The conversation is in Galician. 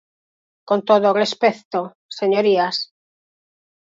Con todo o respecto, señorías.